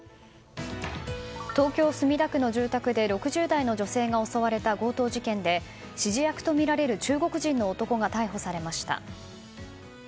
東京・墨田区の住宅で６０代の女性が襲われた強盗事件で指示役とみられる中国人の男が逮捕されました。